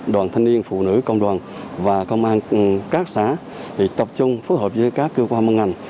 đoàn thanh niên phụ nữ công đoàn và công an các xã thì tập trung phối hợp với các cơ quan mân ngành